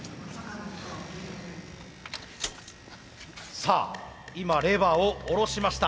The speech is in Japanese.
さあ今レバーを下ろしました。